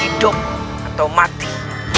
hidup atau mati